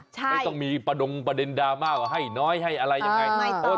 ไม่ต้องมีประดงประเด็นดราม่าว่าให้น้อยให้อะไรยังไง